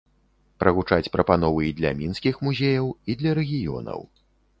Прагучаць прапановы і для мінскіх музеяў, і для рэгіёнаў.